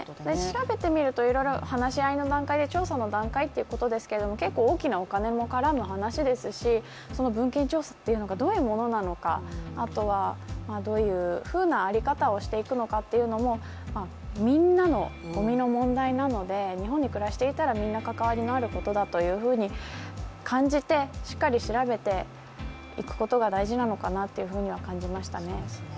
調べてみると、いろいろ話し合いの段階、調査の段階ということですけど、結構大きなお金も絡む話ですし文献調査というものがどういうものなのか、あとはどういうふうな在り方をしていくかっていうのもみんなのごみの問題なので、日本に暮らしていたらみんなかかわりのあることだと感じてしっかり調べていくことが大事なのかなというふうには感じましたね。